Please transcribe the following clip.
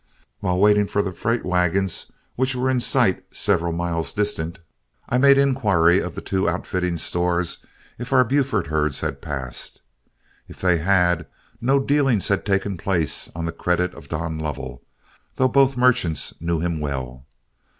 While waiting for the freight wagons, which were in sight several miles distant, I made inquiry of the two outfitting stores if our Buford herds had passed. If they had, no dealings had taken place on the credit of Don Lovell, though both merchants knew him well.